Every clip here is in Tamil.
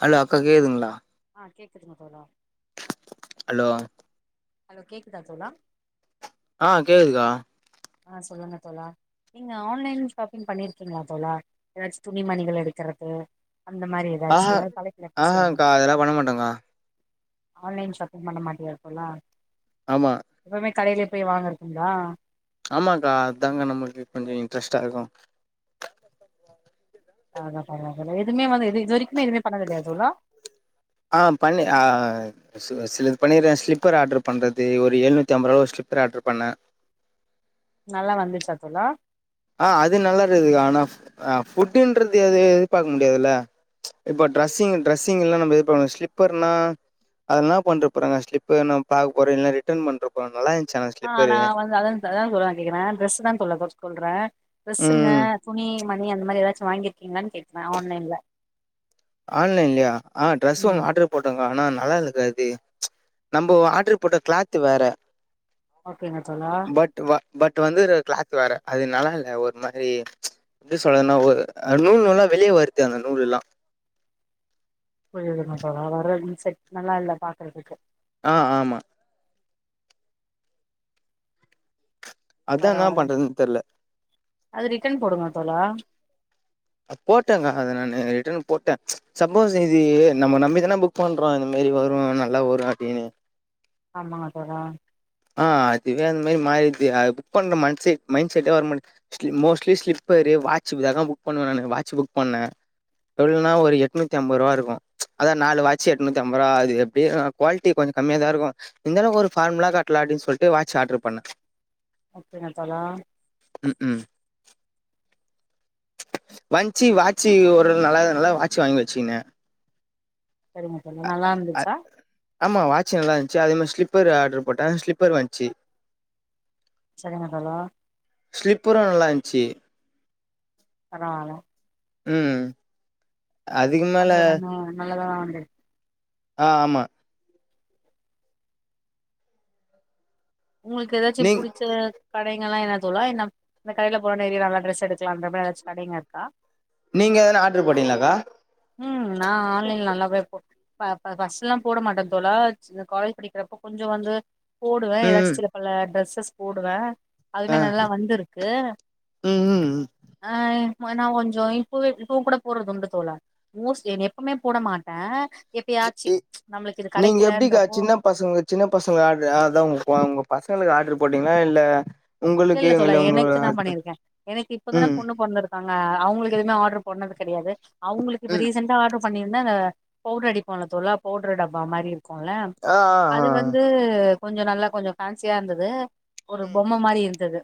ஹலோ அக்கா கேக்துங்ளா? ஆ கேக்குதுங்க தோழா அலோ ஹலோ கேக்குதா தோழா? ஆ கேக்குதுக்கா ஆ சொல்லுங்க தோழா நீங்க ஆன்லைன் ஷாப்பிங் பண்ணிருக்கீங்ளா தோழா எதாச்சு துணிமணிகள் எடுக்குறது ஆஹ ஆஹாக்கா அதெல்லா பண்ணமாட்டங்க்கா ஆன்லைன் ஷாப்பிங் பண்ண மாட்டியா தோழா ஆமா கடையில போய் வாங்கறக்குங்களா? ஆமாங்க்கா அதாங்க நம்மளுக்கு கொஞ்சோ இன்ட்ரெஸ்டா இருக்கு பரவா பரவால்ல எதுமே வந்து இது இதுவரைக் ஆ பண்ணி ஆ சில சிலது பண்ணிருக்கறே ஸ்லிப்பர் ஆர்ட்ரு பண்றது ஒரு ஏழ்நூத்தி அம்பது ரூவா ஒரு ஸ்லிப்பர் ஆர்ட்ரு பண்ணே. நல்லா வந்துச்சா தோழா? ஆ அது நல்லா இருக்குதுக்கா. ஆனா ஃப் ஆ ஃபுட்டுன்றது இது எதிர்பாக்க முடியாதுல்ல. இப்ப டிரெஸ்ஸிங் டிரெஸ்ஸிங் எல்லா நம்ப எதிர்பாக்கமுடியாது. ஸ்லிப்பர்னா அது என்னா பண்ணிருக்க போறாங்க ஸ்லிப்பர் நம்ம பாக்க போறோ இல்ல ரிட்டர்ன் பண்ற போறோ நல்லா இருந் ஆ நா வந்து அதா அதா தோழா நா கேக்குறே டிரெஸ்ஸுதா தோழா சொல்றே டிரஸ்ஸுங்க ம் துணி துணி மணி அந்த மாரி ஏதாச்சு வாங்கிருக்கீங்களான்னு கேக்கறே ஆன்லைன்ல ஆன்லைன்லயா ஆ ட்ரெஸ் ம் ஒன்னு ஆர்ட்ரு போட்டங்க்கா ஆனா ந ல்லா இல்லக்கா அது நம்போ ஆர்ட்ரு போட்ட கிளாத்து வேற ஓகேங்க தோழா பட் வ பட் வந்து அது கிளாத் வேற அது நல்லா இல்ல ஒரு மாரி எப்டி சொல்றதுன்னா ஒரு ஆ நூல் நூலா வெளிய வருது அந்த நூல் எல்லா புரியுதுங்க தோழா வர [unintelligible] நல்லா இல்ல பாக்கறதுக்கு ஆ ஆமா அதா என்னா பரவால்ல பண்றதுன்னு தெர்ல அது ரிட்டன் போடுங்க தோழா அ போட்டங்க்கா அத நானு ரிட்டர்ன் போட்டே. சப்போஸ் இது நம்ம நம்பிதான புக் பண்றோ இந்த மாரி வரு நல்லா வரு அப்டின்னு. ஆமாங்க தோழா ஆ அதுவே அந்த மாரி மாறிருச்சு அது புக் பண்ற மன்சே மைண்ட் செட்டே வர மாட்டிங் ஸ்லி மோஸ்ட்லி ஸ்லிப்பரு, வாட்சு இததா புக் பண்ணுவே நானு வாட்சு புக் பண்ணே இப்ப எப்டினா ஒரு எட்நூத்தி அம்பது ரூவா இருக்கு அதா நாலு வாட்சு எட்நூத்தி அம்பது ருவா அது எப்டி ஆ குவாலிட்டி கொஞ்ச கம்மியாதா இருக்கு இருந்தாலு ஒரு ஃபார்மலா க ட்லா அப்டி சொல்ட்டு வாட்சு ஆர்ட்ரு பண்ணே ஓகேங்க தோழா ம் ம் வஞ்ச்சி வாட்சி ஒரு நல்லாதா நல்லா வாட்சி வாங்கி வச்சிக்கினே சரிம்மா கொஞ்ச நல்லா இருந்துச்சா ஆமா வாட்ச் நல்லா இருந்ச்சு. அதே மாரி ஸ்லிப்பர் ஆர்ட்ரு போட்டே ஸ்லிப்பர் வஞ்ச்சு. சரிங்க தோழா. ஸ்லிப்பரு நல்லா இருந்ச்சி. பரவால்ல ம் அதுக்கு மேல பண்ற நம்ம நல்லதா வாங் [unintelligible] ஆ ஆமா உங்களுக்கு எதாச்சு நீங் புடிச்ச கடைங்கல்லாம் என்ன தோழா இன்னா இந்த கடைல போனா நெறயா நல்லா ட்ரெஸ் எடுக்கலான்ற மாரி எதாச்சி கடைங்க இருக்கா நீங்க எதனா ஆடரு போட்டீங்களாக்கா ம் நான் ஆன்லைன்ல நல்லாவே போ பாப்ப பர்ஸ்ட்ல்லாம் போட மாட்ட தோழா இந்த காலேஜ் படிக்கிறப்ப கொஞ்சம் வந்து போடுவேன் ம் எதாச்சிம் சிலப்பல ட்ரெஸ் ட்ரெஸ் போடுவ ஆ அதுமே நல்லா வந்துருக்கு ம் ஆ ம நான் கொஞ்சோ இப்போவே இப்பவும் கூட போறது உண்டு தோழா மோஸ் எ எப்பமே போட மாட்ட இ நீங்க எப்படிகா சின்ன பசங்க சின்ன பசங்க ஆடர் அதா உங்களுக்கு ஒ ஒங்க பச ங்களுக்கு ஆடர் போட்டீங்களா இல்ல உங்களுக்கு இல்லல்ல தோழா இல்ல உங்க எனக்கு தான் ஹஸ்பண்ட் பண்ணிருக்கேன் எனக்கு இப்பதான ம் பொண்ணு பொறந்துருக்காங்க அவுங்களுக்கு எதுவுமே ஆடரு பண்ணது கெடையாது அவுங்களுக்கு இப்ப ம் ரீசெண்டா ஆடர் பண்ணிருந்தா அந்த பவுடர் அடிப்போ இல்ல தோழா பவுடர் டப்பா மாரி இரு க்கும் இல்ல ஆ ஆ ஆ அது வந்து கொஞ்சோ நல்லா கொஞ்சோ ஃபேன்சியா இருந்தது ஒரு பொம்ம மாரி இரு ந்தது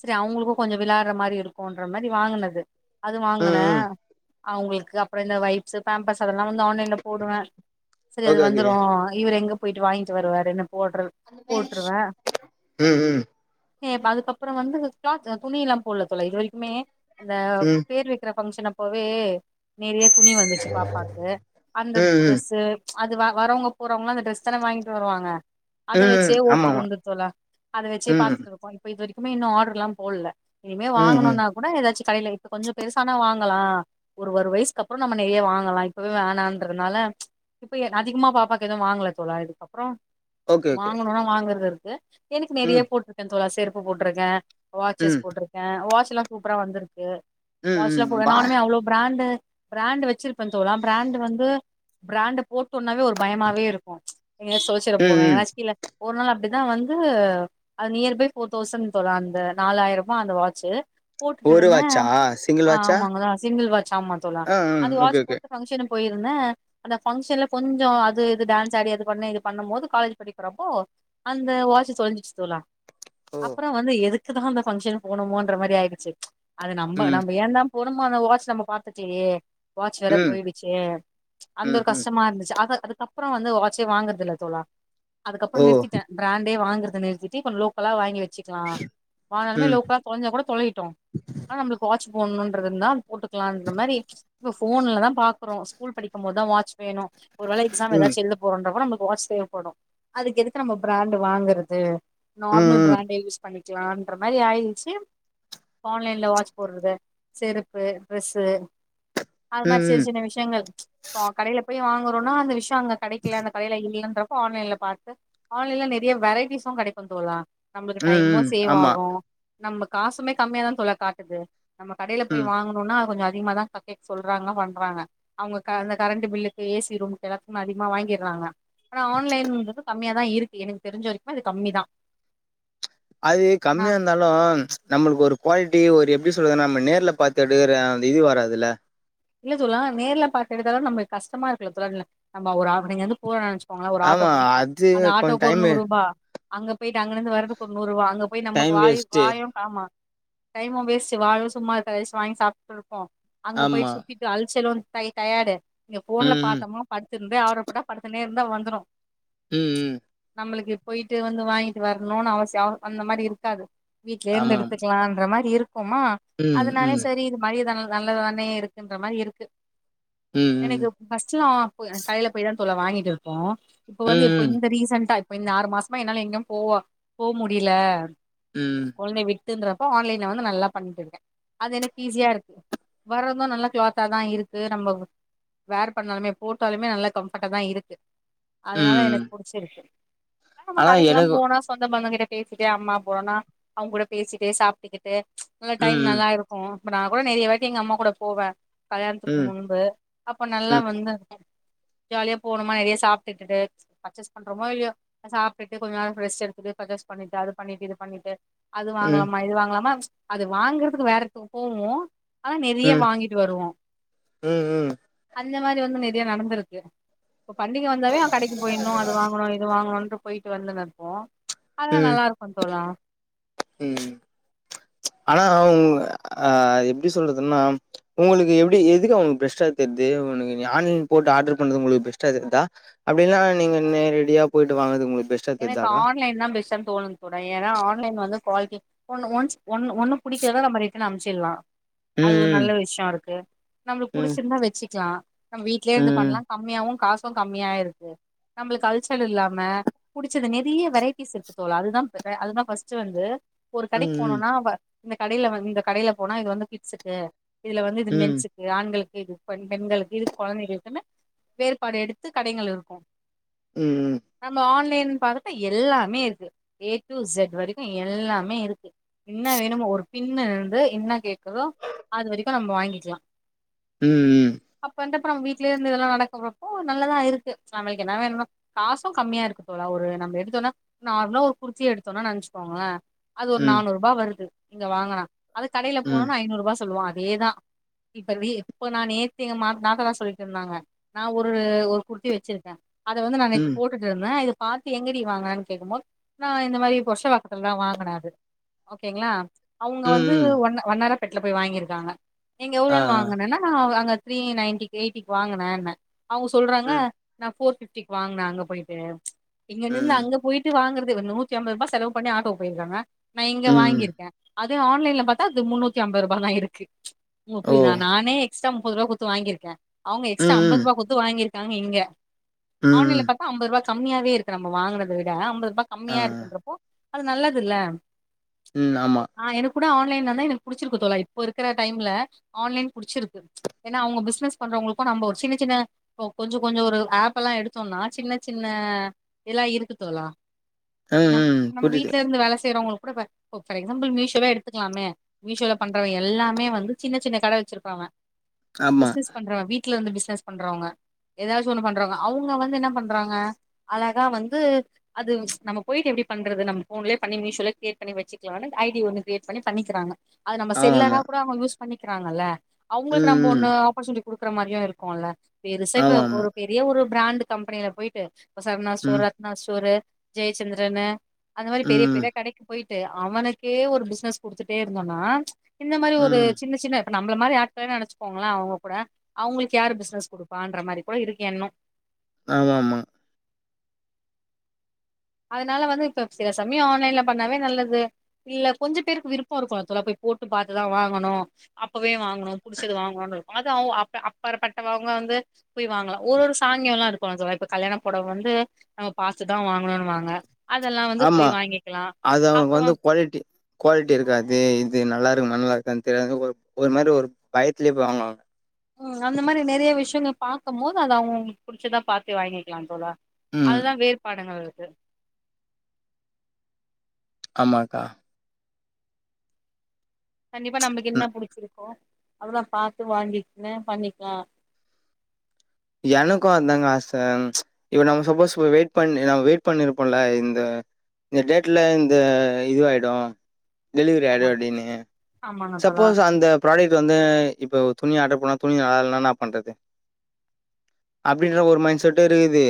சேரி அவுங்களுக்கும் கொஞ்சோ விளாடற மாரி இருக்கும்ன்ற மாரி வாங்கனது அது வாங்கன ம் ம் அவுங்களுக்கு அப்பறம் இந்த வைப்ஸ்ஸு பேம்பர்ஸு அதெல் லா வந்து ஆன்லைன்ல போடுவே சரி அது ஓகே ஓகே வந்துரு இவரு எங்க போய்ட்டு வாங்கிட்டு வருவாருனு ம் ம் அப்புறம் வந்து இங்க கிளாத்து துணியிலாம் போடல தோழா இது வரைக்குமே அந்த ம் பேர் வக்கிற ஃபங்க்ஷன் அப்போவே நெறயா துணி வந்துச்சு பாப்பாக்கு அந்த ம் ம் ட்ரெஸ்ஸு அது வ வரவங்க போறவங்களாம் அந்த டிரெஸ் தான வாங்கிட்டு வருவாங்க அத ம் ம் வச்சே ஆமா ஓட்டறது ஆமா உண்டு தோழா அத வச்சே ம் பாத்துட்டு இரு இப்ப இது வரைக்குமே இன்னும் ஆடர்லாம் போடல இனிமே ம் ம் வாங்குன்னா கூட எதாச்சி கடையில இப்ப கொஞ்சோ பெருசானா வாங் வாங்கலா ஒரு ஒர் வயிசுக் அப்புறோ நம்ம நெறையா வாங்கலா இப்பவே வேணான்றதனால இப்பயே அதிகமா பாப்பாக்கு எதும் வாங்கல தோழா இதுக்கப்புறோ ஓகே ஓகே வாங்கணுன்னா வாங்குறது இருக் ஏ எனக்கு நெறையா ம் போட்ருக் துல்லா செருப்பு போட்டுருக்க வாட்சஸ் ம் போட்டுருக்க வாட்ச் ச்சுலா சூப்பரா வந்துருக்கு ம் வாட்ச்லா ம் போடுவ வா நானுமே அவ்ளோ பிரேண்டு பிரேண்டு வெச்சுருப்ப தோழா பிரேண்டு வந்து பிரேண்ட போட்டோன்னாவே ஒரு பயமாவே இருக்கு எங்காச்சு தொழச்சுட ம் போற ம் எங்கனாச்சு கீழ ஒரு நாள் அப்டிதா வந்து அது நியர் பை ஃபோர் தௌசண்ட் தோழா அந்த நாலாயிரூவா அந்த வாட்சு போட்டுட்டு ஒரு இருந்த வாட்சா சிங்கிள் ஆ வாட்சா ஆமாங்களா சிங்கிள் வாட்ச் ஆமா தோழா ஆ ம் அது ஓகே வாட்சு ஓகே போட்டு ஃபங்ஷனுக் போயிருந்த அந்த ஃபங்க்ஷன்ல கொஞ்சோ அது இது டேன்ஸ் ஆடி அது பண்ணு இது பண்ணும் போது காலேஜ் படிக்கிறப்போ அந்த வாட்சு தொழஞ்சுருச்சு தோழா ஓ அப்புறோ வந்து எதுக் எதுக்குதா அந்த ஃபங்க்ஷனுக் போனோமோன்ற மாரி ஆயிருச்சு அது நம்ம ம் நம்ம ஏந்தாம் போனோமா அந்த வாட்சு நம்ம பாத்துட்டே வாட்சு வேற ம் போயிடுச்சு அந்த ம் ஒரு ம் கஷ்டமா இருந்துருச்சு அத அதுக்கப்புறோ வந்து வாட்சே வாங்குறதில்ல தோழா அதுக்கப்புறோ ஓ நிறுத்திட்ட பிரேண்டே வாங்குற அதா நேத்தி சீப் அண்ட் லோக்கலா வாங்கி வெச் வெச்சுக்கலா வாங்கனாலுமே ம் லோக்கலா தொலஞ்சா கூட தொலையிட்டு ஆனா நம்மளுக்கு வாட்ச் போனுன்றதுதா போட்டுக்கலான்ற மாரி இப்ப ஃபோன்லதா பாக்குறோ ஸ்கூல் படிக்கும் போதுதா வாட்ச் வேணு ஒரு வேல எக்ஸாம் ம் எதாச்சி எழுத போறன்றப்போ நம்மளுக் வாட்ச் தேவப்படு அதுக்கு எதுக்கு நம்ம பிரேண்டு வாங்குறது ம் நார்மல் ம் பிரேண்டே யூஸ் பண்ணிக் வெச்சுக்கலான்ற மாரி ஆயியிச்சு இப்ப ஆன்லைன்ல வாட்ச் போடுறது செருப்பு டிரெஸ்ஸு அது ம் மாரி சின்ன ம் சின்ன விஷ்யங்கள் இப்போ கடையில போய் வாங் போறோன்னா அந்த விஷ் த்த அங்க கடைக்கல அந்த கடையில இல்லன்ற அப்போ ஆன்லைன்ல பாத்து ஆன்லைன்ல நறையா வெரைட்டிஸும் கடை க்கும் தோழா நம்மளுக்கு ம் டைமும் ம் சேவ் ஆமா ஆகும் நம்ம காசுமே கம்மியாதான் தோழா காட்டுது நம்ம கடையில போய் ம் வாங்குனுனா கொஞ்சோ அதிகமா தான் பக்கேட் சொல்றாங்க பண்றாங்க அவுங்க அந்த கரண்ட்டு பில்லுக்கு ஏசி ரூமுக்கு எல்லாத்துக்கும் அதிகமா வாங்கிறாங்க ஆனா ஆன்லைன்றது கம்மியா தான் இருக்கு எனக்கு தெரிஞ்ச வரைக்குமே அது கம்மிதா அது நா கம்மியா இருந்தாலும் நம்மளுக்கு ஒரு குவாலிட்டி ஒரு எப் ப்டி சொல்றது நம்ம நேர்ல பாத்து எடுக்கற அந்த இது வராதில்ல இல்ல தோழா நேர்ல பாத்து எடுத்தாலும் நமக்கு கஷ்டமா இருக்குல்ல தோழா ந நம்ம ஒரு ஆஃப் டே இங்கிருந்து போரானாச்சி போங்களா ஒரு ஆட்டோ ஆமா பிடிக்கும் அது அந்த கொஞ்ச ஆட்டோக்கு ஒரு டைமு நூறுபா அங்க போயிட்டு அங்கனுந்து வரதுக்கு ஒரு நூறுபா அங்க போயி நமக்கு டைம் வாயி வேஸ்ட்டு வாயும் காமா டைமும் வேஸ்ட்டு வாயும் சும்மா இருக்காது எதாச்சும் வாங்கி சாப்ட்டு இரு க்கும் அங்க போயிட்டு ஆமா சுத் அலச்சலு டை டயாடு இங்க ஃபோன்ல ம் ம் பாத்தோமா படு த்திருந்தே ஆடர் போட்டா படுத்துன்னே இருந்தா வந்துரும் ம் ம் நம்மளுக்கு போயிட்டு வந்து வாங்கிட்டு வரணுன்னு அவசியம் அ அந்த மாரி இருக்காது வீட்லே இருந்து ஆமா ஆமா எடுத்துக்கலாம்ன்ற மாரி இருக் குமா ம் அதனாலே ம் செரி இது மாரி எதா நல்லது தானே இருக் குன்ற மாரி இருக்கு ம் எனக்கு ஃபர்ஸ்ட்டுலாம் போயி கடையில போய் தா தோழா வாங்கிட்டு இருப்போம் இப்ப ம் வந்து இப்ப ம் இந்த ரீசன்ட்டா இப்ப இந்த ஆறு மாசமா என்னால எங்கிம் போவா போ முடியில ம் கொழந்தைய விட் ப்டீன்றப்போ ஆன்லைன்ல வந்து நல்லா பண்ணிட்டுருக்கே அது எனக்கு ஈஸியா இருக்கு வரது நல்லா க்ளாத்தா தா இருக்கு நம்ம வேர் பண்ணாலுமே போட்டாலுமே நல்ல கம்ஃபர்ட்டா தா இருக்கு அதுனால ம் எனக் புடுச்சிருக்கு நம்ம ஆனா கடைக்கெல்லா எனக்கு போனா சொந்த பந்தங்க ட்ட பேசிட்டே அம்மா போனா அவுங்கூட பேசிட்டு சாப்டுக்கிட்டு நல்ல டைம் ம் ம் நல்லா இருக்கு இப்ப நா கூட நெறைய வாட்டி எங்க அம்மா கூட போவே கல்யாணத்துக்கு ம் முன்பு அப்ப நல்லா ம் வந்து ஜாலியா போனொமா நெறைய சாப்டுகிட்டு பர்ச்சேஸ் பண்றொமோ இல்யோ சாப்டுட்டு கொஞ்ச நேர ஃப்ரெஸ்ட் எடுத்துட்டு பர்ச்சஸ் பண்ணிட்டு அது பண்ணிட்டு இது பண்ணிட்டு அது ம் ம் வாங்லாமா இது வாங்லாமா அது வாங்கற்துக்கு வேற எடத்துக்கு போவோ ஆனா நெறைய வாங்கிட் ம் ம் அந்த மாரி வந்து நெறைய நடந்துருக்கு இப்ப பண்டிக வந்தாவே அ கடைக்கு போயிட்னு அது வாங்கனு இது வாங்கனுன்ற போயிட்டு வந்துனுப்போ அதெல்லா ம் நல்லாருக்கு தோழா ம் ஆனா அ எப்டி சொல்றதுன்னா உங்களுக்கு எப்டி எதுக்கா உங்ளுக்கு பெஸ்டா தெர்து உனக்கு நி ஆன்லைன் போட்டு ஆட்ரு பண்றது உங்ளுக்கு பெஸ்ட்டா தெரிதா அப்டில்னா நீங்க நெ ரெடியா போயிட்டு வாங்கற்து உங்களு எனக்கு ஆன்லைன் தா பெஸ்டுன் தோனுது தோழா ஏனா ஆன்லைன் வந்து குவாலிட்டி ஒன்னு ஒன்ஸ் ஒன்னு ஒன்னு புடிக்லனா நம்ம ரிட்டர்ன் அனுப்ச்சிட்லா அது ஒரு ம் நல்ல விஷ்யொ இருக்கு நம்ளுக் ம் புடுச்சிருந்தா வச்சிக்லா நம் வீ்ட்லயே இருந்து பண்லா ம் கம்மியாவு காசு கம்மியா இருக்கு நம்ளுக்கு அல்ச்சல் இல்லாம புடுச்சது நெறைய வெரைட்டிஸ் இருக்கு தோழா அதுதா அதுதா ஃபர்ஸ்ட்டு வந்து ஒரு கடைக் ம் போனுன்னா வ இந்த கடைல வாங்கி இந்த கடைல போனா இது வந்து கிட்ஸுக்கு இதுல வந்து இது ம் மென்ஸுக்கு ஆண்கள் இது பெண் பெண்களுக்கு இது கொழந்தைகளுக்குன்னு வேறுபாடு எடுத்து கடைங்கள் இருக்கு ம் நம்ம ஆன் லைன் பாத்துட்டா எல்லாமே இருக்கு ஏ டு செட் வரைக்கு எல்லாமே இருக்கு என்னா வேணுமோ ஒரு பின்ன இருந்து என்ன கேக்குதோ அது வரைக்கு நம் வாங்கிக்லா ம் ம் அப்ப நம்ம வீட்லயேருந்து இதெல்லா நடக்குறப்போ நல்லதா இருக்கு நம்ளுக்கு என்ன வேணுமோ காசு கம்மியா இருக்கு தோழா ஒரு நம்ம எடுத்தோனா நார்மலா ஒரு குர்த்தி எடுத்தோனா நெனச்சுக்கோங்க அது ஒரு நானூறுபா வருது இங்க வாங்குனா அது கடைல ம் ம் போனொனா ஐநூறுபா சொல்லுவாங்க அதேதா இப்ப இப்ப நா நேத்தி எங்க நாத்தனா சொல்லிட்டுருந்தாங்க நா ஒரு ஒரு குர்த்தி வச்சிருக்கே அத வந்து நா நேத்து ம் போட்டுட்டுருந்தே இது பாத்து எங்கடி வாங்குனன் கேக்கும் போது நா இந்த மாரி புரஷவாக்கத்துல தா வாங்குனே அது ஓகேங்ளா அவுங்க வந்து ம் வண் வண்ணாரப் பேட்ல போய் வாங்கியிருக்காங்க நீங்க ஆ ஆ எவ்ளோன் வாங்குனன்னா அங்க த்ரீ நைன்டிக் எயிட்டிக்கு வாங்குனேன்ன அவுங்க சொல்றாங்க ம் நா ஃபோர் ஃபிஃப் டிக்கு வாங்குன அங்க போயிட்டு இங்க நின்னு ம் அங்க போயிட்டு வாங்கற் துக்கு நூத்தி அம்பது ருபா செலவு பண்ணி ஆட்டோக்கு போயிருக்காங்க நா இங்க ம் வாங்கிருக்கே அது ஆன்லைன்ல பாத்தா அது முந்நூத்தி அம்பது ருபா தா இருக்கு உங்களுக் ஓ புரியிதா நானே எக்ஸ்ட்ரா முப்பதுருவா குத்து வாங்கிருக்கே அவுங்க எக்ஸ்ட்ரா ம் அம்பது ம் ருபா குட்த்து வாங்கிருக் காங்க இங்க ம் ஆன்லல்ல பாத்தா அம்பது ருவா கம்மியாவே இரு க்கு நம்ம வாங்குனத விட அம்பது ருபா ஆ கம்மியா இருக்குன்றப்போ அது நல்லதில்ல ம் ஆமா கூட ஆன்லைன்லதா எனக்கு புடுச்சுருக்கு தோழா இப்ப இருக்குற டைம்ல ஆன்லைன் புடுச்சுருக்கு ஏன்னா அவங்க பிஸ்னஸ் பண்றவங்களுக்கு நம்ப ஒரு சின்ன சின்ன கொஞ்சோ கொஞ்சோ ஒரு ஏப் எல்லா எடுத்தோன்னா சின்ன சின்ன எல்லா இருக்கு தோழா ம் ம் நம்ம புரியுது வீட்ல இருந்து வேலஸ் செய்றவங்களுக் கூட எக்ஸாம்பிள் மீஷோவோ எடுத்துக்கலாமே மீஷோல பண்றவங்க எல்லாமே வந்து சின்ன சின்ன கட வெச்சுருப்பாங்க ஆமா பிஸ்னஸ் பண்றவ வீட் வீட்ல இருந்து பிஸ்னஸ் பண்றவங்க எதாச்சு ஒன்னு பண்றவங்க அவங்க வந்து என்ன பண்றாங்க அல தா வந்து அது நம்ம போயிட்டு எப்டி பண்றது நம்ம ஃபோன்லயே பண்ணி மீஷோலா கிரியேட் பண்ணி வெச்சுக்கலானு ஐடி ஒண்ணு கிரியேட் பண்ணி பண்ணிக்கிறாங்க அது நம்ம செல்லனா ஆமாமா கூட அவங்க யூஸ் பண்ணிகிறாங்கள்ல அவங்ளுக்கு ம் நம்ப ஒண்ணு ம் ஆப்பர்சூனிட்டி குடுக்குற மாரியு இருக்குல்ல பெருசா இப்ப ஆமாமா ஒரு பெரிய ஒரு பிரேண்டு கம்பெனில போயிட்டு ஒரு சரவணாஸ் ஒரு ம் ரத்னா ஸ்டோரு ஜெயச்சந்ரனு அந்த மாரி பெரிய ம் பெரிய கடைக்கு போயி ட்டு அவனுக்கே ஒரு பிஸ்னஸ் குடுத்துட்டே இருந்தோன்னா இந்த மாரி ஒரு ம் சின்ன சின்ன இப்ப நம்ல மாரி ஆட்களயே நெனச்சுக்கோங்கள அவங்க கூட அவங்களுக்கு யாரு பிஸ்னஸ் குடுப்பான்ற மாரி கூட இருக்கு எண்ணோ ஆமாமா அதனால வந்து இப்ப சில சமயயோ ஆன்லைன்ல பண்ணாவே நல்லது இல்ல கொஞ்சோ பேருக்கு விருப்போ இருக்குல்ல தோழா போய் போட்டு பாத்துதா வாங்கணு அப்பவே வாங்கணு புடுச்சத வாங்கணுன் இருக்கு அது அவங்க அப்ப அப்பார்பட்டவங்க வந்து போய் வாங்கலா ஒரு ஒரு சாங்கியோ எல்லா இருக்குல்ல தோழா இப்ப கல்யாணப் பொடவ வந்து நம்ம பாத்துதா வாங்கணுன் வாங் ங்க ஆம்மா அது அவனுக்கு வந்து அப்புறம் குவாலிட்டி குவாலிட்டி இருக்காது இது நல்லார் து நல்ல இருக்கான் தெரியாது ஒர் ஒரு மாரி ஒரு பயத்துலயே போய் வாங்குவாங்க ம் அந்த மாரி நெறையா விஷ்யங்க பாக்கம் போது அது அவங்கங்களுக்கு புடுச்சதா பாத்து வாங்கிக்கலாம் தோழா ம். அதுதா வேறுபாடுங்கறது து ஆமாக்கா கண்டிப்பா நமக்கு என்ன ம். புடுச்சுருக் ஓ அப்புறோ பாத்து வாங்கிக்நூ பண்ணிக்கலா எனக்கு அதாங்க ஆச இப்ப நம்ம சப்போஸ் நம்ம வெயிட் பண்ணி நம்ம வெயிட் பண்ணிருப்போல்ல இந்த இந்த டேட்ல இந்த இதுவாயிடு டெலிவரி ஆமா ஆயிடு அப்டின்னு ஆமாங்க தோழா சப்போஸ் அந்த புராடெக்ட்டு வந்து இப்போ துணி ஆட்ரு போனா துணி நலால்னா என்னாப் பண்றது அப்டின்ற ஒரு மைண்ட் செட்டு இருக்குது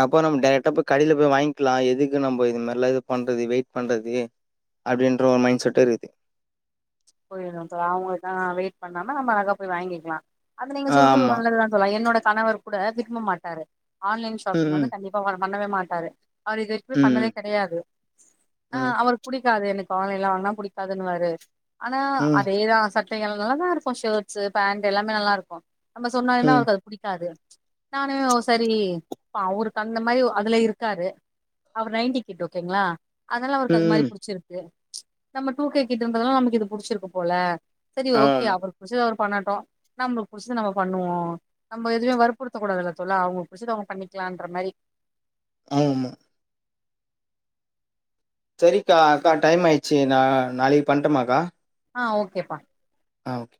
அப்ப நம் டைரெக்டா போய் கடைல போய் வாங்க்கிலா எதுக்கு நம்ப இது மார்லா இது பண்றது வெயிட் பண்றது அப்டின்ற ஒரு மைண்ட் செட்டு இருக்குது புரியிதுங் தோழா அவுங்களுக்காக வெயிட் பண்ணாம நம்ம அழகா போய் வாங்கிக்லா அது நீங்க சொல்றது ஆமா நல்லதுதா தோழா என்னோட கணவர் கூட விரும்ப மாட்டாரு ஆன்லைன் ஷாப்பிங் ம் வந்து கண்டிப்பா வர பண்ணவே மாட்டாரு அவர் இது வரைக்கு பண்ணதே ம் கெடையாது ஆ ம் அவர் புடி க்காது எனக் ஆன்லைன்ல வாங்னா புடிக்காதுன்னுவாரு ஆனா ம் அதேதா சட் டைகள் நல்லாதா இருக்கு ஷர்ட்ஸு பேண்ட் எல்லாமே நல்லா இருக்கு நம்ம சொன்னாலுமே ம் அவருக்கு அது புடிக்காது நானு சரி அவருக்கு அந்த மாரி அதுல இருக்காரு அவரு நைன்டி கிட்டு ஓகேங்களா அதல்லா அவருக்கு அது மாரி ம் புடிச்சிருக்கு நம்ம டூ கே கிட்டுன்றதுனால நமக்கிது புடுச்சுருக்கு போல செரி ஆமா ஓகே ஆமா அவருக் புடுச்சத அவரு பண்ணட்டு நம்மளுக் புடிச்சது நம்ம பண்ணுவோ நம்ம எதுவ்மே வற்புடுத்தக் கூடாதுல்ல தோழா அவுங்களுக் புடிச்சது அவுங்க பண்ணிக்கலான்ற மாரி ஆமாமா செரிக்கா அக்கா டைம் ஆயிட்ச்சு நா நாளைகு பண்ட்டுமாக்கா ஆ ஓகேப்பா ஆ ஓகே